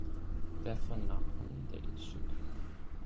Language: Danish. da fornam hun en Dag et Suk.